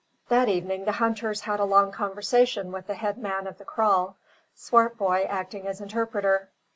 That evening the hunters had a long conversation with the head man of the kraal, Swartboy acting as interpreter.